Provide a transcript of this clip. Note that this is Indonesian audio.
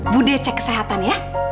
bu decek kesehatan ya